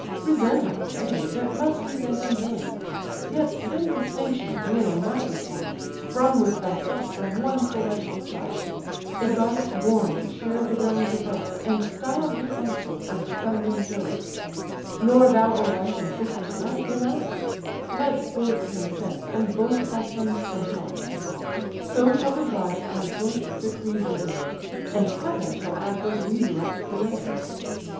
Resent I may, but must resent in vain. Yet some distinction Juno might require, Sprung with thyself from one celestial sire, A goddess born, to share the realms above, And styled the consort of the thundering Jove; Nor thou a wife and sister's right deny; Let both consent, and both by terms comply; So shall the gods our joint decrees obey, And heaven shall act as we direct the way.